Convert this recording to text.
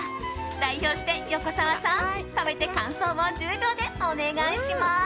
代表して横澤さん、食べて感想を１０秒でお願いします。